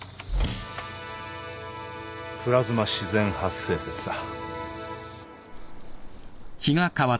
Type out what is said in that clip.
プラズマ自然発生説さ。